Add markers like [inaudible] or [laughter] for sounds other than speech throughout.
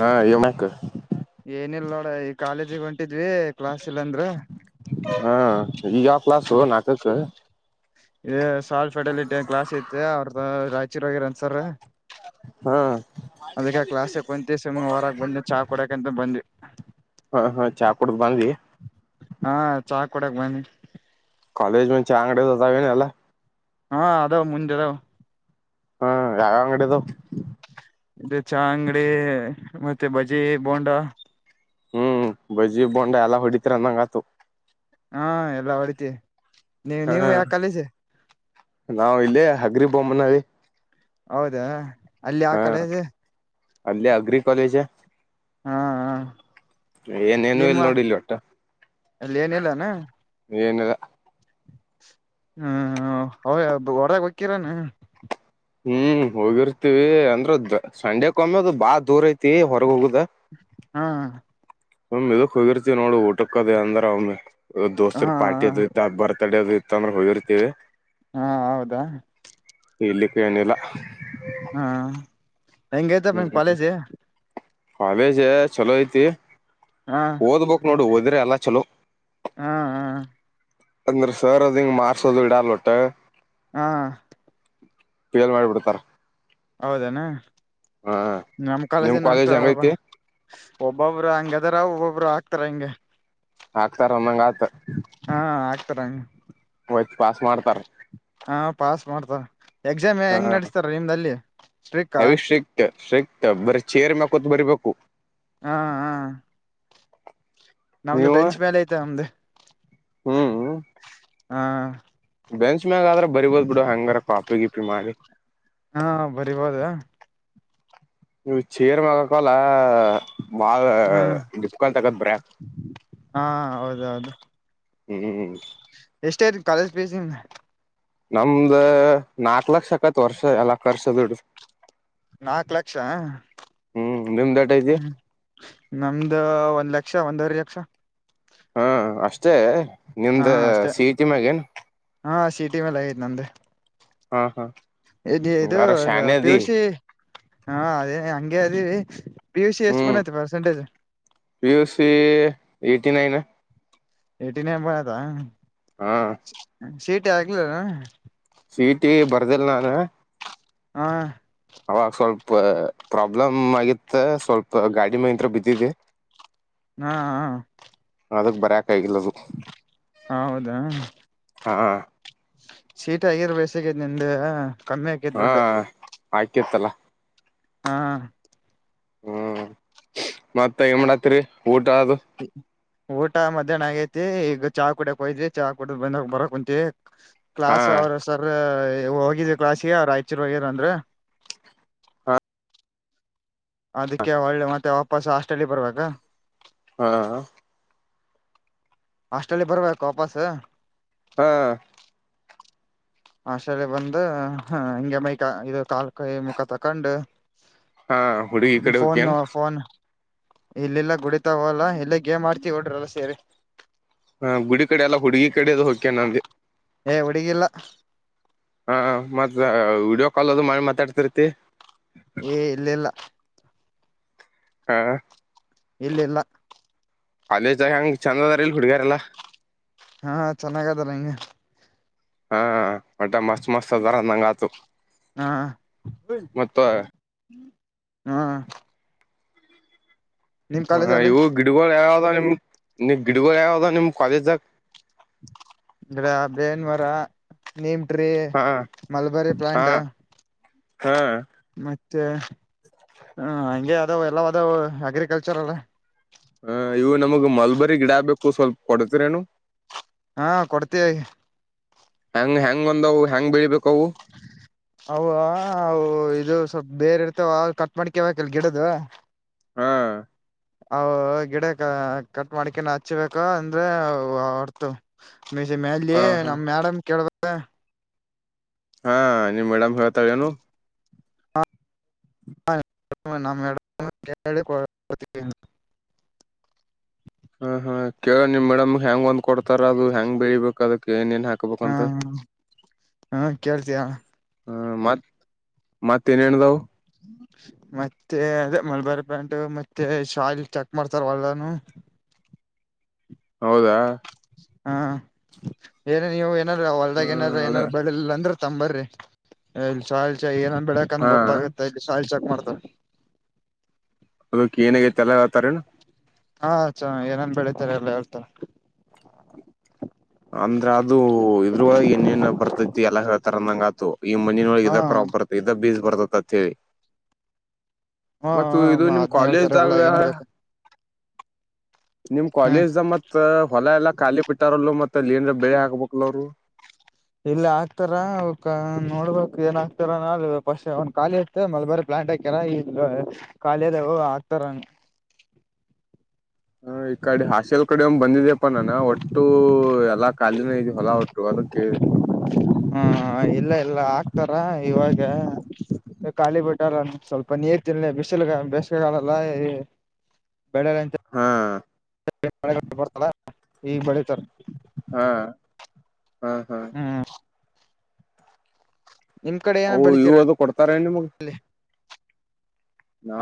ಹಾ ಯೋಮ್ಮಕ. ಏನಿಲ್ಲ ನೋಡ ಈ ಕಾಲೇಜಿ ಈವೆಂಟ್. ಇಟ್ಟಿದ್ವಿ ಕ್ಲಾಸ್ ಇಲ್ಲಾಂದ್ರ ಹಾ ಈಗ ಯಾವ ಕ್ಲಾಸು ಅದೇ. ನಾಲ್ಕಕ್ ಇ ಸಾಲ್ ಫೆಟಲಿಟಿ ಗ್ಲಾಸ್ ಐತೆ ಅವ್ರದ ರಾಯಚೂರೋಗಿರನ್ಸರ್. ಹೊರಗ್ ಬಂದ್ವಿ ಚಾ ಕೊಡಕಂತ ಬಂದ್ವಿ ಹ ಹಾ ಚಾಪ. ಕುಡ್ದ ಬಂದಿ. ಹಾ ಚಾ ಕೊಡಕ್ ಬನ್ನಿ. ಕಾಲೇಜ್ ದಾಗ ಚೆ ಅಂಗಡ ಅದಾವ ಎಲ್ಲ. ಹಾ ಅದಾವ ಮುಂದೆ ಅದಾವ. ಹಾ ಯಾವ ಅಂಗಡಿಯ ಅದಾವ. ಚ ಅಂಗಡಿ ಮತ್ತೆ ಬಜಿ ಬೋಂಡ. ಹ್ಮ್ ಬಜಿ ಬೋಂಡ ಎಲ್ಲಾ ಹೊಡಿತರಿ ಅಂದಂಗ ಆತು. ಹಾ ಎಲ್ಲಾ ಹೊಡತಿ ನೀ ನೀವು ಯಾವ ಕಾಲೇಜು. ನಾವವು ಇಲ್ಲೇ ಹಗ್ರಿ ಬೊಮ್ಮನಿ. ಹೌದಾ. ಅಲ್ಲಿ ಯಾವ ಹಾ ಕಾಲೇಜ್ ಅಲ್ಲಿ ಅಗ್ರಿ ಕಾಲೇಜ. ಹಾ ಹ ಏನೇನು ನಿಮ್ಮ ಇಲ್ ನೋಡಿಲ್ ಒಟ್ಟ. ಅಲ್ಲಿ ಏನಿಲ್ಲಾನ. ಏನಿಲ್ಲ. ಹ್ಮ್ ಅವ ಹೊರಗೆ ಒಕ್ಕಿರಾನ. ಹ್ಮ್ ಹೋಗಿರ್ತಿೀವಿ ಅಂದ್ರೆ ಸಂಡೆಕ್ಮ್ಮೆದು ಬಾಳ ದೂರ ಐತಿ ಹೊರಗ ಹೋಗುದು. ಹಾ. ಇದಕ್ ಹೋಗಿರ್ತಿವಿ ನೋ ಊಟಿ. ಕದ ಅಂದ್ರ ಅವ ಹಾ ದೋಸ್ತ್ರ ಹಾ ಪಾರ್ಟಿ ಅದ ಇತ್ತ ಬರ್ಡೇ ಅದ ಇತ್ತ ಅಂದ್ರೆ ಹೋಗಿರ್ತವಿ. ಹಾ ಹೌದಾ. ಇಲಿಕ್ಕೆ ಏನಿಲ್ಲ. ಹಾ ಹೆಂಗಐತ ನಿಮ್ ಕಾಲೇಜಿ. ಕಾಲೇಜ ಚಲೋ ಐತಿ ಹಾ ಓದ್ಬೇಕಕ್ ನೋಡು ಓದ್ರೆ ಅಲ್ಲ ಚಲೋ ಹಾ ಹಾ ಅಂದ್ರ ಸರ್ ಅದ ಹಿಂಗ ಮಾರ್ಸೋದು ಇಡಲ್ ಒಟ್ಟ ಹಾ ೇಲ್ ಮಾಡಿಬಿಡ್ತಾರ ಹೌದೇನಾ ನಮ್ಮ್ ನಿಮ್ ಕಾಲೇಜ ನ ಅಷ್ಟ ಕಾಲೇಜ್ ಹೆಂಗೈತಿ ಒಬ್ಬ ಅವರು ಹಂಗ ಅದಾರ ಒಬ್ಬೊಬ್ರು ಆಕ್ತಾರ ಹಿಂಗೆ ಹಾಕ್ತಾರ ಒಂದಂಗ ಆತ ಹಾ ಆಗ್ತಾರ ಹಂಗ ವತ್ ಪಾಸ್ ಮಾಡ್ತಾರ ಹಾ ಪಾಸ್ ಮಾಡ್ತಾರ ಎಕ್ಸಾಮ್ ಹೆಂಗ್ ನಡೆಸ್ತಾರ ನಿಮ್ದಲ್ಲಿ ಸ್ಟ್ರಿಕ್ ಹಾ ಅವಿ ಸ್ಟ್ರಿಕ್ಟ್ ಸ್ಟ್ರಿಕ್ಟ್ ಬರ ಚೇರ್ ಮಕೋತ್ ಬರಿಬೇಕು ಹಾ ಹಾ ನಮ್ದು ನೀವು ಬೆಂಚ್ ಮೇಲೆ ಐತೆ ನಮ್ದ ಹ್ಮ್ ಹಾ ಬೆಂಚ್ ಮ್ಯಾಗ ಆದ್ರ ಬರಿಬೋದ್ ಬಿಡು ಹಂಗಾರ ಕಾಫಿ ಗಿಪಿ ಮಾಡಿ ಹಾ ಬರಿಬೋದ ನೀವು ಚೀರ್ ಮಗಕಲ್ಲ ಮಾಾ ಹ್ಮ್ ಿಪ್ಕಲ್ ತಗತ್ ಬ್ರ ಹಾ ಹ್ಮ್್ಮ ಎಷ್ಟ ಐತ ಕಾಲೇಜ್ ಪೇಸ್ಿಂದ ನಮ್ದ ನಾಕ್ ಲಕ್ಷ ಆಕೈತ್ ವರ್ಷ ಎಕ್ ವರ್ಷ ದುಡ್ದ ನಾಕ್ು ಲಕ್ಷ ಹ್ಮ್ ನಿಮ್ದ ಎಟ್ ಐತಿ ಹ್ಮ್ ನಮ್ದ ಒಂದ್ ಲಕ್ಷ ಒಂದವರ ಲಕ್ಷ ಹಾ ಅಷ್ಟೇ ಹಾ ನಿಮ್ದ ಅಷ್ಟೇ ಸಿ ಇಟಿ ಮಗೇನ್ ಹಾ ಸಿಟಿ ಮೇಲೆ ಆಐು ನಂದೆ ಹಾ ಹಾ ಇ ಇದು ಹಂಗಾರ ಶಾನೆ ಅದಿ ಪಿಯುಶಿ ಹ ಅದೇ ಹಂಗಗೆ ಅದ ಪಿ ಯು ಸಿ ಎಷ್ಟು ಬನ್ೈಐತೆ percentage P U C eighty nine ಎಟಿನೇ ಹಬಯತಾ ಹಾ ಆಗ್ಲ ಸೀಟಿ ಬರ್ದಿಲ್ಲ ನಾನ ಹಾ ಅವಾಗ ಸ್ವಲ್ಪ ಪ್ರಾಬ್ಲಮ್ ಆಗಿತ್ತ ಸ್ವಲ್ಪ ಗಾಡಿ ಮತ್ರ ಬಿದ್ದಿದ್ದಿ ಹಾ ಹಾ ಅದಕ್ ಬರಕ್ ಆಗಿಲ್ಲದು ಹೌದಾ ಹಾಂ ಸೀಟ ಆಗಿದ ಬೇಸಗೇತಿ ನಿಮ್ದ ಕಮ್ಮಿ ಆಾಕೇತಿ ದೊಡ್ಡ ಆಯ್ತತ್ತಲ್ಲ ಹಾ ಹ ಹ್ಮ್ ಮತ್ತ ಇಮಡತ್ತರಿ ಊಟ ಅದು ಊಟ ಮಧ್ಯಾಹ್ನ ಆಗೈತಿ ಈಗ ಚಾ ಕುಡಕ್ ಹೋಯ್ವಿ ಚಾ್ ಕುಡಿದ್ ಬಂದ ಬರಕ್ ಕುಂತವಿ ಹಾ ಕ್ಲಾಸ್ ಅವರು ಸರ್ ಹೋಗಿದ ಕ್ಲಾಾಸಿ ಆಯ್ಚರುಗ್ಯಾರ ಅಂದ್ರ ಅದಕ್ಕೆ ಒಳ್ಳೆ ಮತ್ತೆ ವಾಪಸ್ ಹಾಸ್ಟೆಲ್ಲಿ ಬರುವಾಗ ಹಾ ಹಸ್ಟಲ್ಲಿ ಬರ್ಬೇಕ ವಾಪಸ್ ಹಾ ಆಶಲ್ಲಿ ಬಂದ ಹಿಂಂಗಗೆ ಮೈಕ ಇದು ಕಾಲ್ ಕೈ ಮುಖ ತಕೊಂಡು ಹಾ ಹುಡುಗಿ ಕಡೆ ಫೋನ್ ಹೋಗ್ಯನ್ ಫೋನ್ ಇಲ್ಲಿಲ್ಲ ಗಡಿತಾವಲ್ಲಾ ಇಲ್ಲ ಗೇಮ್ ಆಡ್ತಿ ಹೊಡ್ರಲ್ಲ ಸೇರಿ ಹ ಗುಡಿ ಕಡೆ ಎಲ್ಲಾ ಹುಡುಗಿ ಕಡೆದು ಹೋಗಕ್ಯನೆ ನಗೆ ಏ ಹುಡುಗಿಲ್ಲ ಹಾ ಮತ್ತ ವಡಿಯೋ ಕಾಲ್ ಅದು ಮಾಡಿ ಮಾತಾಡ್ತಿರ್ತಿ ಏ ಇಲ್ಲಿಲ್ಲ ಹಾ ಇಲ್ಲಿಲ್ಲ ಅಲ್ಲೇ ಜಾಗ ಹೆಂಗಗೆ ಚಂದ ಅದಾರ ಇಲ್ಲಿ ಹುಡ್ಗರೆಲ್ಲಾ ಹಾ ಚೆನ್ನಾಗತರಂಗಗೆ ಹಾ ಮಟ್ಟೆ ಮಸ್ತ್ ಮಸ್ತ್ ಅದಾರ ನಂಗ ಆತ ಹಾ ಮ ಹ್ಮ ಹಾ ಇವು ಗಿಡಗಳು ಯಾವ್ದ ನಿಮ ನಿ ಗಿಡಗಳು ಯಾವ್ದ ನಿಮ ಕಾಲೇಜ್ದಾಗ ಅ್ರ ಬೇನ್ ಮರ ನಿಮ ಟ್ರಿ ಹಾ ಮಲ್ಬಾರಿ ಹಾ ಪ್ಲಾಂಟ್ ಹಾ ಮತ್ತೆ ಹ ಹಗೆ ಅದಾವ ಎಲ್ಲಾವದ ಅಗ್ರಿಕಲ್ಚರ್ಲ್ಲ ಹಾ ಇವು ನಮಗ್ ಮಲ್ಬರಿ ಗಿಡ ಬೇಕು ಸ್ವಲ್ಪ ಕೊಡ್ತಿರೇನು ಹಾ ಕೊಡ್ತೀಯ ಹೆಂಗ್ ಹೆಂಗ್ ಬಂದವು ಹೆಂಗ್ ಬೆಳಿಬೇಕು ಅ ಇದು ಸ್ವಲ್ಪ್ ಬೇರೆ ಇರ್ತಾವ ಕಟ್ ಮಾಡ್ಕೇವಕ್ಲ್ ಗಿಡ್ದ ಹಾ ಅ ಗಿಡ ಕಟ್ ಮಾಡಕನ್ ಹಚ್ಬೇಕ ಅಂದ್ರೆ ಹೊರ್ತು ಮಸ ಮೇಾಲ ಹಾ ಹಾ ನಮ್ ಮ್ಯಾಡಮ ಕೇಳ್ಬೇಕ ಹಾ ನೀ ಮೇಡಾಮ್ ಹೇಳಳ್ತ ಏನು ಹಾ ನಮ್ಮ ಎ ಹ ಹಾ ಕೇಳ ನೀವ್ ಮೇಡಮ್ ಹ ಹೆಂಗ ಒಂದ್ ಕೊಡ್ತಾರ ಅದು ಹ ಹೆಂಗ ಬೆಳಿಬೇಕು ಅದಕ್ ಏನೇನ್ ಹಾ ಹಾಕ್ಬೇಕಂತ ಹಾ ಕೇಳ್ತೀಯಾ ಹ್ಮ ಮತ್ ಮತ್ತೇನೇಣ್ದವು [unintelligible] ಮತ್ತೆ ಅದೇ ಮಲ್ಬಾರಿ ಪ್ಯಾಂಟ್ ಮತ್ತೆ ಶಾಲ್ ಚೆಕ್ ಮಾಡ್ತಾರ ಒಲ್ಲನುೂ ಹೌದಾ ಹಾ ಏನ ನೀವು ಏನಾರ ಹೊರ್ದಾಗ ಹ್ಮ್ ಏನಾರ ಅದೇ ಏನಾರ ಬೆಳಿಲ್ಲ ಅಂದ್ರ ತಂಬರ್ರಿ ಇಲ್ಲಿ ಶಾಲ್ ಚಾ ಏನ ಬೆಳಕಂದ ಹಾ ಗೊತ್ತಾಗುತ್ತೆ ಇಲ್ಲಿ ಶಾಲ್ ಚಾಕ್ ಮಾಡ್ತ ಹ ಅದಕ್ಕೆ ಏನಗೈತೆ ಎಲ್ಲತಾರೇನ ಹಾ ಚ ಏನನ್ ಬೆಳಿತಾರೆ ಎಲ್ಲ ಹೇಳ್ತಾರ ಅಂದ್ರ ಅದು ಇದ್ರೊಳಗೆ ಏನ್ನ್ ಬರ್ತೈತಿ ಎಲ್ಲ ಹೇಳ್ತಾರಂದಂಗ ಈ ಮಂನ ಒಳಗೆ ಹಾ ಇದ ಕ್ರಾಪ್ ಬರ್ತ ಇದ ಬೀಜ ಬರ್ತತಿ ಅತ್ ಹೇಳಿ ಹಾ ಮತ್ತ ಇದು ನಿಮ್ ಅದ್ನ್ ಹೇಳ್ತಾರ ಎಲ್ಲ ಕಾಲೇಜಾಗ ಏನ್ ಬೇಕ ನಿಮ್ ಕಾಲೇಜ್ ದ ಮತ್ ಹೊಲ ಎಲ್ಲಾ ಖಾಲಿ ಬಿಟ್ಟಾರಲ್ಲ ಮತ್ ಮಲ್ಲಿ ಏನ್ಬೆಳೆ ಹಾಕ್ಬೇಕಲ ಅವ್ರು ಇಲ್ಲ ಆಗ್ತಾರ ನೋಡ್ಬೇಕಕ್ ಏನ್ ಆಗ್ತಾರಾನ ಅ ಪಸ್ ಅವನ್ ಖಾಲಿ ಇತ್ತ ಮಲ್ಬರ ಟಕರ ಇ ಖಾಲಿಯದ ಹಾಕ್ತಾರ [unintelligible] ಹ ಈ ಕಡೆ ಹಾಸೆಲ್ ಕಡೆ ಒಂದ್ ಬಂದಿದ್ಯಪ್ಪಾ ನಾನ ಒಟ್ಟು ಎಲ್ಲಾ ಕಾಲಿನ ಇದ ಹೊಲ ಒಟ್ಟು ಓಕೆ ಹಾ ಇಲ್ಲ ಇಲ್ಲ ಆಕ್ತಾರ ಇವಾಗ ಖಾಲಿ ಬಿಟ್ಟಲ್ಲ ಸ್ವಲ್ಪ ನೀರ್ ತಿನ್ಲ ಬಿಸಿಲು ಬೇಸಿಗೆಗಾಲಲ್ಲ ಬೆಳೆ ಹಾ ಬರ್ತಲ್ಲ ಈಗ ಬೆಳತಾರೆ ಹ್ಮ್ ಹ್ಮ್ ನಿಮ್ ಕಡೆ ಏನ ಅ ಇವು ಅದು ಬೆಳಿತೀರಲ್ಲಿ ಕೊಡ್ತಾರೆ ನಿಮ್ಗ್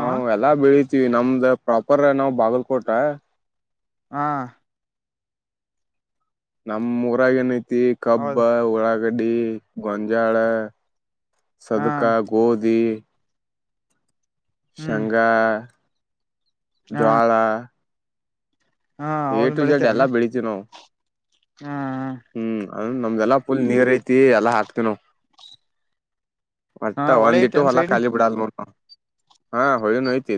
ಹ ಎಲ್ಲಾ ಬೆಳತಿೀವಿ ನಮ್ದ ಪ್ರಾಪರ್ ನಾವ್ ಬಾಗಲ್ಕೋಟ ಹಾ ನಮ್ ಊರಾಗ ಏನಐತಿ ಕಬ್ಬ ಹೌದು ಉಳ್ಳಾಗಡ್ಡಿ ಗೊಂಜಾಳ ಹಾ ಸದಕ ಗೋಧಿ ಹ್ಮ್ ಶಘಾ ಹಾ ಜ್ವಳ ಹಾ ಎಏ ಅವನ್ ಟು ಜೆಡ್ ಎಲ್ಲ ಬೆಳಿತಾರನ ಬೆಳತಿವಿ ನಾವು ಹಾ ಅ ನಮ್ದೆಲ್ಲಾ ಪುಲ್ ನೀರ್ ಐತಿ ಎಲ್ಲಾ ಹಾಕ್ತಿವಿ ನಾವವು ಹಾ ಮತ್ತ ಹೊಳೆ ಐತೆ ಒಂದಿಟ್ಟು ಒಂದ್ ಹೊಲಾ ಸೈಡ್ ಖಾಲಿ ಬಿಡಲ್ ಹ ಹೊಿ ನೋಯ್ತ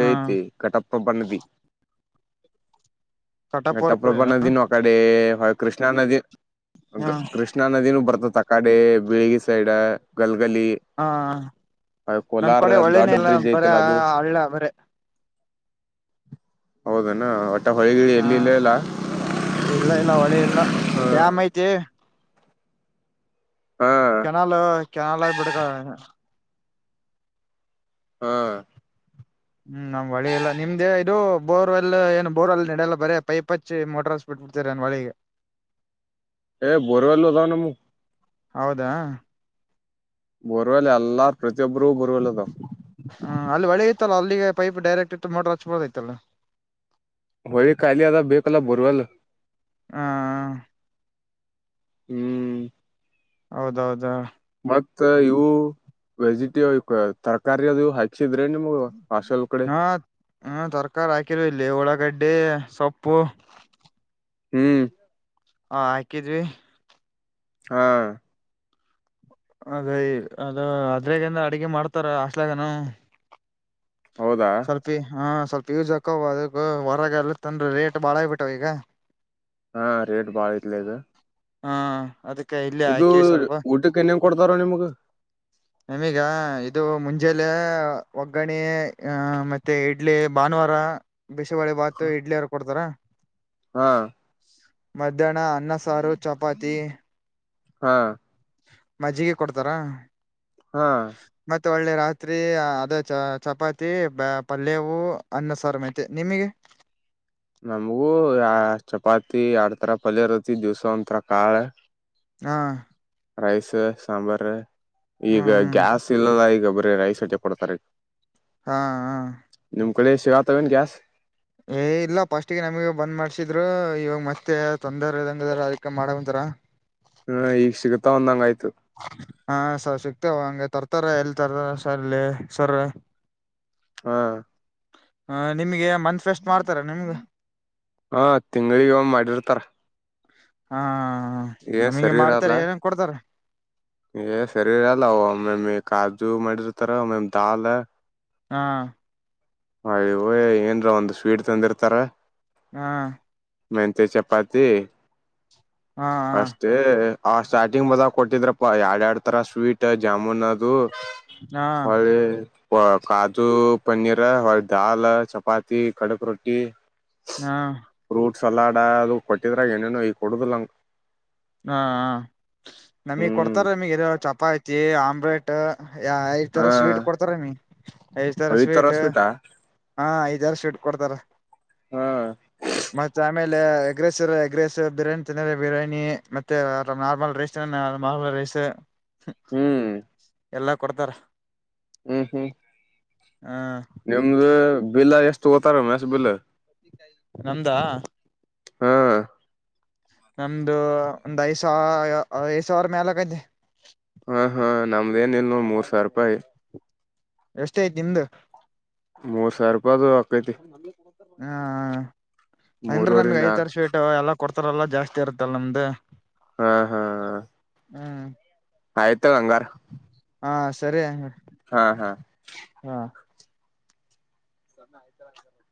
ಹಾ ಕಟಪಭ ನದಿ [unintelligible] ಕಟಾಪುರ್ ಘಟಪ್ರಭಾ ನದಿ ನ ಅ ಕಡೆ ಹ ಕೃಷ್ಣ ನದಿ ಹಾ ಕೃಷ್ಣಾ ನದಿನೂ ಬರ್ತತ್ ತಕಾಡೆ ಬೀಳಗಿ ಸೈಡ್ ಗಲ್ ಹಾ ನಮ್ ಕೋಲಾರ ಕಡೆ ದೊಡ್ಡ ಒಳ್ಳೇನೇ ಇಲ್ಲ ಬ್ರಿಡ್ಜ್ ಬರೇ ಹಳ್ಳ ಬರೇ ಹೌದಣ ಒಟ್ಟ ಹೊಳಿಗಿಳಿ ಹಾ ಎಲ್ಲಿ ಇಲ್ಲ ಇಲ್ಲ ಇಲ್ಲ ಇಲ್ಲ ಒಳೆ ಇಲ್ಲ ಹಾ ಡ್ಯಾಮ್ ಐತೆ ಹಾ ಕೆನಾಲ್ ಕೆನಾಲ ಬಿಡ್ಗ ಹಾ ಹ್ಮ್ ನಮ್ ಒಳಿ ಇಲ್ಲ ನಿಮ್ದೇ ಇದು ಬೋರ್ವೆಲ್ ಏನು ಬೋರ್ವೆಲ್ ನಡೆಯಲ್ಲ ಬರೇ ಪೈಪ್ ಹಚ್ಚಿ ಮೋಟರ್ಸ್ಬಿಟ್ಟ ಬಿಡ್ತಾರೆ ಏನ್ ಮಳಿ [inaudible] ಬೋರವಲ್ಲು ಅದಾವ ನಮ ಹೌದಾ ಬೋರುವವೆಲ್ಲ ಎಲ್ಲಾರ ಪ್ರತಿಯೊಬ್ಬರೂ ಬೋರ್ ವೆಲ್ಲದ ಹ ಅಲ್ಲಿ ಹೊಳಿ ಇತ್ತಲ್ಲ ಅಲ್ಲಿಗೆ ಪೈಪ್ ಡೈರೆಕ್ಟ್ ಇತ್ತು ಮೋಟರ್ ಹಚ್ಬೊದೈತ್ತಲ್ಲ ಹೊಳಿ ಖಾಯಲಿ ಅದ ಬೇಕಲ್ಲ ಬರುವವಲ್ ಹ ಹ್ಮ್ ಹೌದೌದ ಮತ್ತ ಇವು ವೆಜಿಟ ತರಕಾರಿ ಅದು ಹಚ್ಚಿದ್ರೆ ನಿಮ್ಗ ಹಾಸ್ಟೆಲ್ ಕಡೆ ಹಾ ಹ ತರಕಾರಿ ಹಾಕಿರ ಇಲ್ಲಿ ಒಳಾಗಡ್ಡಿ ಎ ಸಪ್ಪು ಹ್ಮ್ ಹಾ ಹಾಕಿದ್ವಿ ಹಾ ಅದ ಅದ ಅದ್ರಾಗಂದ ಅಡಗೆ ಮಾಡ್ತಾರ ಅಷ್ಟಲಾಗನ ಹೌದಾ ಸ್ವಲ್ಪ ಹ ಸ್ವಲ್ಪ ಯೂಸ್ ಹಾಕ ಅದಕ್ಕ ಹೊರಗೆ ಎಲ್ಲ ತಂದ್ರ ರೇಟ್ ಬಾಳ ಆಗಬಿಟ್ಟಾವ ಈಗ ಹಾ ರೇಟ್ ಬಾತ್ಲದು ಹಾ ಅದಕ್ಕೆ ಇಲ್ಲಿ ಹಾಕಿವ ಸ್ವಲ್ಪ ಊಟಕ್ಕೆ ಏನೇನ್ ಕೊಡ್ತಾರ ನಿಮ್ಗ ನಮಗ ಇದು ಮುಂಚ ಜಲೆ ಒಗ್ಗಣೆ ಮತ್ತೆ ಇಡ್ಲಿ ಭಾನುವಾರ ಬಿಸಿಬೇಳೆ ಬಾತ್ ಇಡ್ಲಿ ಎರಡೂ ಕೊಡ್ತಾರಾ ಹಾ ಮಧ್ಯಾಹ್ನ ಅನ್ನ ಸಾರು ಚಪಾತಿ ಹಾ ಮಜ್ಜಿಗೆ ಕೊಡ್ತಾರ ಹಾ ಮತ್ತ ಒಳ್ಳೆ ರಾತ್ರಿ ಅದೇ ಚ ಚಪಾತಿ ಪಲ್ಯವು ಅನ್ನ ಸಾರ ಮತ್ತೆ ನಿಮಗೆ. [inaudible] ನಮಗೂ ಆ ಚಪಾತಿ ಎಡ್ತರ ಪಲ್ಯ ರತಿ ದಿವ್ಸ ಒಂಥರ ಕಾಳ. ಹಾ ರೈಸ್ ಸಾಂಬಾರ್ ಈಗ ಹ್ಮ್ ಹ್ಮ್ ಗ್ಯಾಸ್ ಇಲ್ಲದ ಈಗ ಬರೀ ರೈಸ್ ತೆಕ್ಕೊಡ್ತಾರ ಈಗ. ಹಾ ಹಾ ಬೆಳಿಗ್ಗೆ [unintelligible] ಏ ಇಲ್ಲ ಪಾಸ್ಟ್ ಗೆ ನಮಗೆ ಬಂದ್ ಮಾಡ್ಸಿದ್ರು ಇವಾಗ ಮತ್ತೆ. ತೊಂದರೆ ಇದಂಗದ ಅದಕ್ಕೆ ಮಾಡವಂತರ. ಹ್ಮ ಈಗ ಸಿಗತಾ ಒಂದಂಗ ಆಯ್ತು. [inaudible] ಹಾ ಸ ಸಿಕ್ತೇವ ಹಂಗೆ ತರ್ತಾರ ಎಲ್ಲಿ ತರ ಸರ್ ಇಲ್ಲಿ ಸರ್ರ. ಹಾ ಹ ನಿಮ್ಗೆ ಮಂತ್ಫೆಸ್ಟ್ ಮಾಡ್ತಾರ ನಿಮ್ಗ. ಹಾ ತಿಂಗ್ಳಿಗ್ ಒಮ್ಮೆ ಮಾಡಿರ್ತಾರ. ಹಾ ಏ ನಮಗೆ ಸರಿ ಇರಲ್ಲ ಮಾಡ್ತಾರೆ ಏನಂಗ ಕೊಡ್ತಾರ. ಏ ಸರಿ ಇರಲ್ಲ ಮ್ಯಮ ಈ ಕಾಜು ಮಾಡಿರ್ತಾರ ಒ ಮೇಮ್ ದಾಲ್. ಹಾ ಹವ ಏನ್ರ ಒಂದ್ ಸ್ವೀಟ್ ತಂದಿರ್ತಾರ. ಹಾ ಮೆಂತೆ ಚಪಾತಿ ಹಾ ಹಾ ಅಷ್ಟೇ. ಆ ಸ್ಟಾರ್ಟಿಂಗ್ ಬಂದಾಗ ಕೊಟ್ಟಿದ್ರಪ್ಪ ಎರಡ್ ಎರಡ್ ತರ ಸ್ವೀಟ್ ಜಾಮೂನ್. ದು ಹಾ ಹಳೆ. ಕಾಜು ಪನ್ನೀರ್ ಹೊ ದಾಲ್ ಚಪಾತಿ ಕಡಕ್ ರೊಟ್ಟಿ. ಹಾ ಫ್ರೂಟ್ ಸಲಾಡ್ ಅದು ಕೊಟ್ಟಿದ್ರಾಗ ಏನೇನೊ ಈ ಕೊಡುದಿಲ್ಲಂಕ. ಹಾ ನಮಗ್ ಹ್ಮ್ ಕೊಡ್ತಾರ ನಮಗ್ ಚಪಾತಿ ಆಮ್ಲೆಟ್. ಯ ಐದ್ ತರ ಹಾ ಸ್ವೀಟ್ ಕೊಡ್ತಾರ ಮಿ ಐದ್ ತರ ಈ ಸ್ವೀಟ್ ಸ್ವೀಟಾ ಹಾ ಐದ್ ತರ ಸ್ವೀಟ್. ಕೊಡ್ತಾರ ಹಾ ಮತ್ ಆಮೇಲೆ. ಇಲ್ಲ ಎಗ್ರೆಸಿವ್ ಎಗ್ರೆಸಿವ್ ಬಿರಿಯಾನಿ ತನ್ನರೆ ಬಿರಿಯಾನಿ. ಮತ್ತೆ ಅ ನಾರ್ಮಲ್ ರೈಸ್ ನಾರ್ಮಲ್ ರೈಸ್. ಹ್ಮ್ ಎಲ್ಲಾ ಕೊಡ್ತಾರ. ಹ್ಮ್ ಹ್ಮ್ ಹ ನಿಮ್ದ. ಬೆಲ್ಲ ಎಷ್ಟು ಓತಾರ ಮಷ್ಟ ಬಿಲ್ಲ. ನಮ್ದಾ. ಹಾ ನಮ್ದು ಒಂದ್ ಐದ ಸಾವ ಐದ್ ಸಾವಿರ ಮ್ಯಾಲಕೈಐತೆ. ಹಾ ಹಾ ನಮ್ದ ಏನ ಇಲ್ ನ ಮೂರ್ ಸಾವಿರ ರೂಪಾಯಿ. ಎಷ್ಟ್ ಅಯ್ತ್ ನಿಮ್ದ. ಮೂರ್ ಸಾವಿರ ಆಕ್ಕೈತಿ. ಹ್ಮ ಅಂದ್ರೆ ಮೂರವರಿ ನಮ್ಗೆ ನಾ ಐದ ತರ್ಸಿವಿಟ್ಟ ಎಲ್ಲ. ಕೊಡ್ತಾರಲ್ಲಾ ಜಾಸ್ತಿ ಇರತ್ತಲ್ಲ ನಮ್ದ. ಹಾ ಹಾ ಹ್ಮ್ ಆಯ್ತದ ಹಂಗಾರ್. ಹಾ ಸರಿ. ಹಾ ಹಾ ಹಾ ಸೊಣೆ ಆಯ್ತರ ಆ.